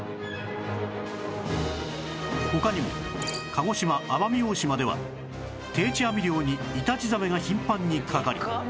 他にも鹿児島奄美大島では定置網漁にイタチザメが頻繁にかかり